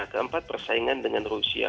keempat persaingan dengan rusia